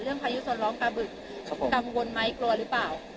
เรื่องพายุโซนร้องปลาบึกครับผมกังวลไหมกลัวหรือเปล่า